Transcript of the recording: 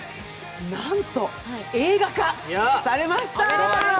なんと映画化されました。